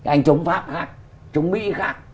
anh chống pháp khác chống mỹ khác